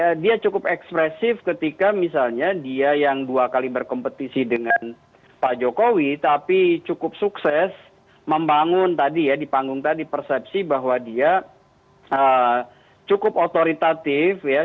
ya dia cukup ekspresif ketika misalnya dia yang dua kali berkompetisi dengan pak jokowi tapi cukup sukses membangun tadi ya di panggung tadi persepsi bahwa dia cukup otoritatif ya